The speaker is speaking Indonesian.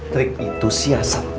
trik intusiasan doi